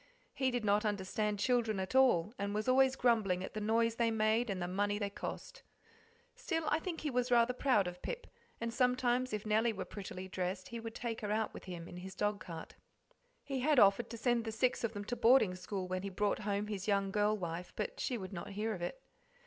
He did not understand children at all, and was always grumbling at the noise they made, and the money they cost. Still, I think he was rather proud of Pip, and sometimes, if Nellie were prettily dressed, he would take her out with him in his dogcart. He had offered to send the six of them to boarding school when he brought home his young girl wife, but she would not hear of it.